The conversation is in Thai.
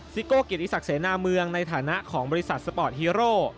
ซิโก้เกียรติศักดิเสนาเมืองในฐานะของบริษัทสปอร์ตฮีโร่